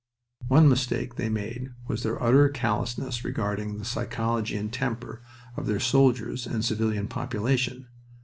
One mistake they made was their utter callousness regarding the psychology and temper of their soldiers and civilian population.